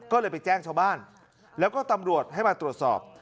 ก็เลยไปแจ้งชาวบ้านแล้วก็ตำรวจให้มาตรวจสอบ